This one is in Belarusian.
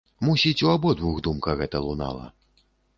Мусіць, у абодвух думка гэта лунала.